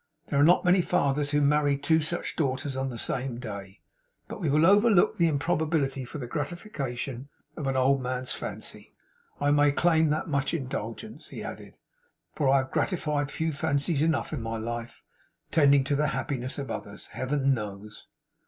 There are not many fathers who marry two such daughters on the same day; but we will overlook the improbability for the gratification of an old man's fancy. I may claim that much indulgence,' he added, 'for I have gratified few fancies enough in my life tending to the happiness of others, Heaven knows!